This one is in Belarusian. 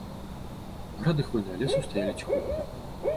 Грады хвойнага лесу стаялі ціхутка.